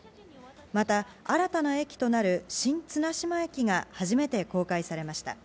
また、新たな駅となる新綱島駅が初めて公開されました。